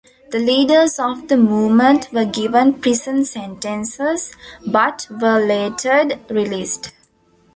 The leaders of the movement were given prison sentences but were later released.